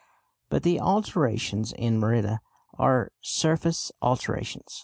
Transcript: But the alterations in Merida are surface alterations.